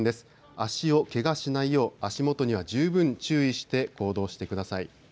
足をけがしないよう足元には十分注意して行動してください。